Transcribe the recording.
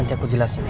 nanti aku jelasin ya